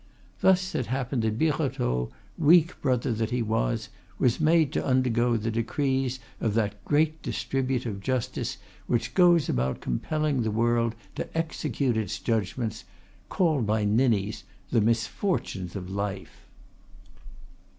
Thus it happened that Birotteau, weak brother that he was, was made to undergo the decrees of that great distributive Justice which goes about compelling the world to execute its judgments, called by ninnies "the misfortunes of life."